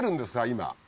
今。